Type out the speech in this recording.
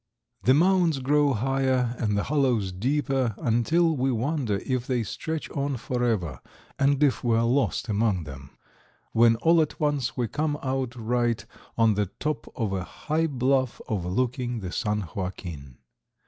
The mounds grow higher and the hollows deeper until we wonder if they stretch on forever and if we are lost among them, when all at once we come out right on the top of a high bluff overlooking the San Joaquin.